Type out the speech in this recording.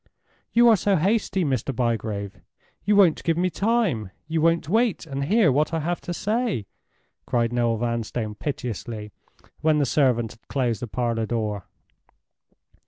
"You are so hasty, Mr. Bygrave—you won't give me time—you won't wait and hear what I have to say!" cried Noel Vanstone, piteously, when the servant had closed the parlor door.